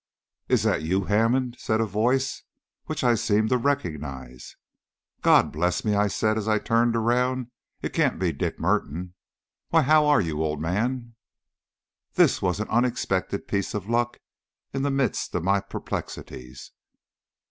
"Is that you, Hammond?" said a voice which I seemed to recognise. "God bless me," I said, as I turned round, "it can't be Dick Merton! Why, how are you, old man?" This was an unexpected piece of luck in the midst of my perplexities.